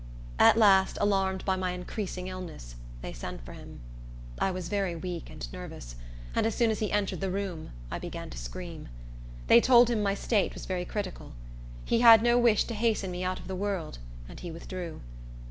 At last, alarmed by my increasing illness, they sent for him. I was very weak and nervous; and as soon as he entered the room, I began to scream. They told him my state was very critical. He had no wish to hasten me out of the world, and he withdrew.